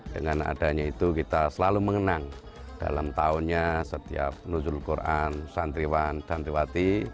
dengan adanya itu kita selalu mengenang dalam tahunnya setiap nuzul quran santriwan santriwati